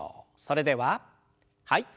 それでははい。